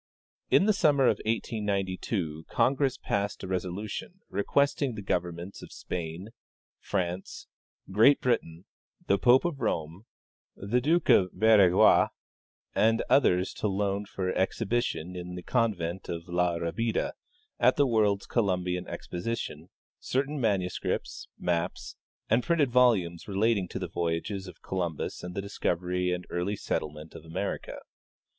In the summer of 1892 Congress passed a resolution request ing the governments of Spain, France, Great Britain, the Pope of Rome, the Duke of Veragua and others to loan for exhibition in the convent of La Rabida, at the World's Columbian Exposi tion, certain manuscripts, maps, and printed volumes relating (197) 198 W. E. Curtis — Pre Columbian, Vatican Documents. to the voyages of Columbus and the discovery and early settle ment of America.